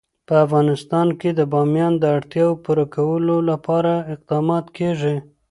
په افغانستان کې د بامیان د اړتیاوو پوره کولو لپاره اقدامات کېږي.